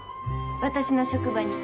私の職場に。